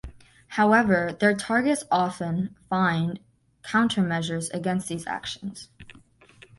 However, their targets often find countermeasures against these actions.